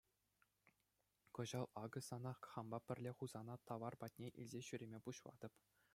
Кӑҫал акӑ сана хампа пӗрле Хусана тавар патне илсе ҫӳреме пуҫлатӑп.